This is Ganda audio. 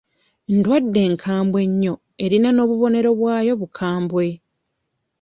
Ndwadde nkambwe nnyo erina n'obubonero bwayo bukambwe.